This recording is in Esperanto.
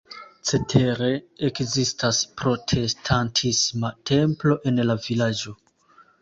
Cetere ekzistas protestantisma templo en la vilaĝo.